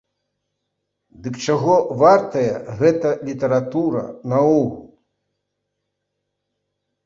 Дык чаго вартая гэта літаратура наогул?